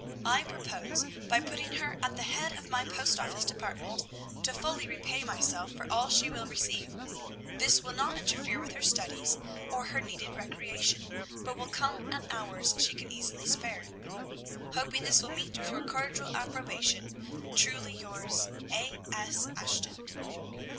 I propose, by putting her at the head of my post office department, to fully repay myself for all she will receive. This will not interfere with her studies or her needed recreation, but will come at hours she can easily spare. Hoping this will meet with your cordial approbation, Truly yours, A. S. ASHTON.